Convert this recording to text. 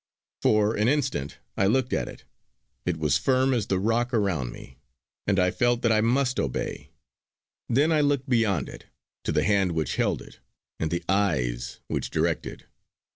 For an instant I looked at it; it was firm as the rock around me, and I felt that I must obey. Then I looked beyond it, to the hand which held it, and the eyes which directed.